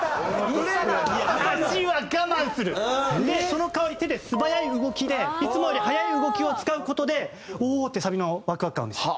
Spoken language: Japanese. その代わり手で素早い動きでいつもより速い動きを使う事でおおー！ってサビのワクワク感。